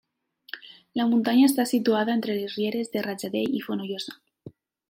La muntanya està situada entre les rieres de Rajadell i Fonollosa.